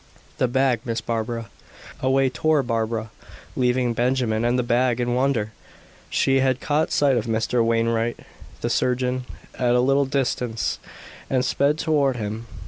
"The bag, Miss Barbara." Away tore Barbara, leaving Benjamin and the bag in wonder. She had caught sight of Mr. Wainwright, the surgeon, at a little distance, and sped toward him.